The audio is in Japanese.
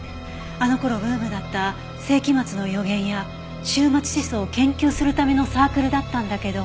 あの頃ブームだった世紀末の予言や終末思想を研究するためのサークルだったんだけど。